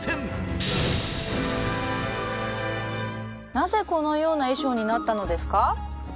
なぜこのような衣装になったのですか？